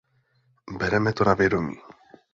Bereme to na vědomí.